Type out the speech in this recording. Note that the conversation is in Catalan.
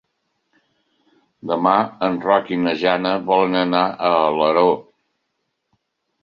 Demà en Roc i na Jana volen anar a Alaró.